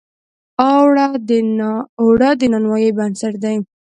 اوړه د نانوایۍ بنسټ دی